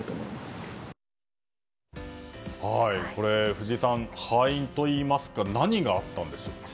藤井さん、敗因といいますか何があったんでしょうか？